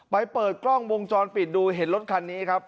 เปิดกล้องวงจรปิดดูเห็นรถคันนี้ครับ